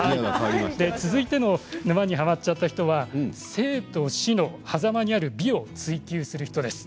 続いての沼にハマっちゃった人は生と死のはざまにある美を追求する人です。